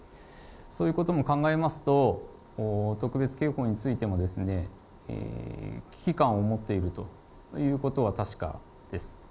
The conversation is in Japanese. そういうことも考えますと、危機感を持っているということは確かです。